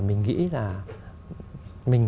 mình nghĩ là mình